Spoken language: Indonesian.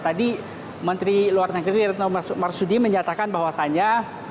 tadi menteri luar negeri retno marsudi menyatakan bahwasannya